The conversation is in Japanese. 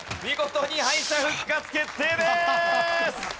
見事に敗者復活決定です！